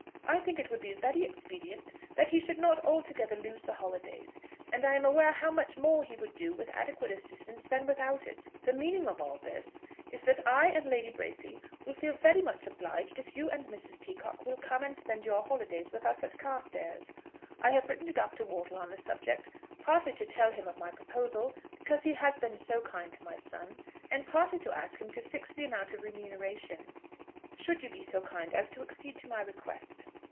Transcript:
I think it would be very expedient that he should not altogether lose the holidays, and I am aware how much more he would do with adequate assistance than without it. The meaning of all this is, that I and Lady Bracy will feel very much obliged if you and Mrs. Peacocke will come and spend your holidays with us at Carstairs. I have written to Dr. Wortle on the subject, partly to tell him of my proposal, because he has been so kind to my son, and partly to ask him to fix the amount of remuneration, should you be so kind as to accede to my request.